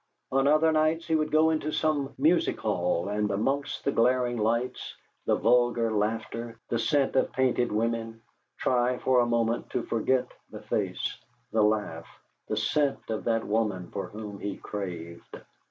On other nights he would go into some music hall, and amongst the glaring lights, the vulgar laughter, the scent of painted women, try for a moment to forget the face, the laugh, the scent of that woman for whom he craved.